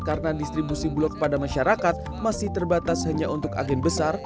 karena distribusi bulog pada masyarakat masih terbatas hanya untuk agen besar